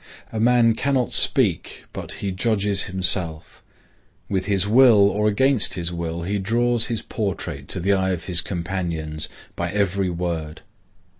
A man cannot speak but he judges himself. With his will or against his will he draws his portrait to the eye of his companions by every word.